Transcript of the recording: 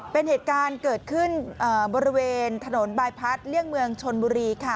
เป็นเหตุการณ์เกิดขึ้นบริเวณถนนบายพัดเลี่ยงเมืองชนบุรีค่ะ